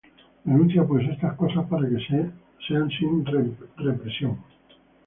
Denuncia pues estas cosas, para que sean sin reprensión.